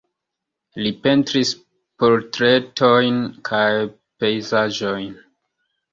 Li pentris portretojn kaj pejzaĝojn.